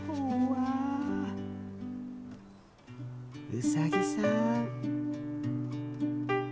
うさぎさん。